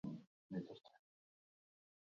Kultura-etxeko atezainaren kontratua jaso dugu.